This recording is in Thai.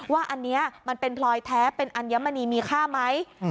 ว่าอันนี้มันเป็นพลอยแท้เป็นอัญมณีมีค่าไหม